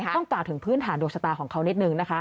กล่าวถึงพื้นฐานดวงชะตาของเขานิดนึงนะคะ